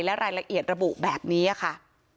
และรายละเอียดระบุแบบนี้ค่ะ